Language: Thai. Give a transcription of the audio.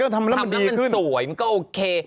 ทำดีมันสวยมันก็โอเค